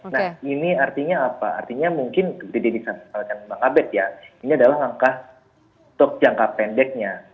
nah ini artinya apa artinya mungkin seperti yang disampaikan bang abed ya ini adalah langkah untuk jangka pendeknya